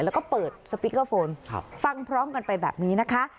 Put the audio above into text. แล้วก็เปิดสปีกเกอร์โฟนฟังพร้อมกันไปแบบนี้นะคะ